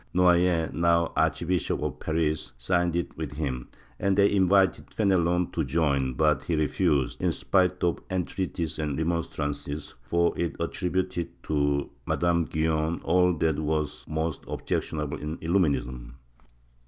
Noailles, now Archbishop of Paris, signed it with him, and they invited Fenelon to join but he refused, in spite of entrea ties and remonstrances, for it attributed to Madame Guyon all that was most objectionable in Illuminism.